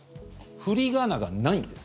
振り仮名がないんです。